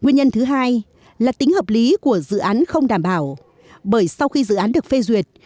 nguyên nhân thứ hai là tính hợp lý của dự án không đảm bảo bởi sau khi dự án được phê duyệt